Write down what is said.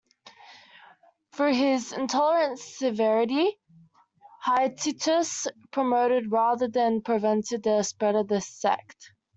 Through his intolerant severity Hydatius promoted rather than prevented the spread of the sect.